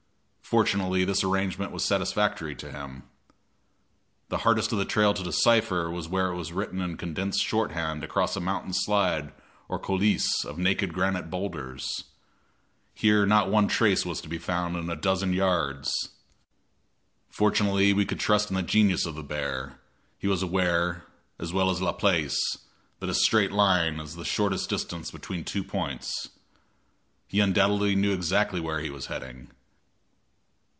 Fortunately this arrangement was satisfactory to him. The hardest of the trail to decipher was where it was written in condensed shorthand across a mountain slide or coulisse of naked granite boulders. Here not one trace was to be found in a dozen yards. Fortunately we could trust in the genius of the bear; he was aware, as well as La Place, that a straight line is the shortest distance between two points. He undoubtedly knew exactly where he was heading.